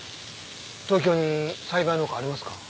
東京に栽培農家はありますか？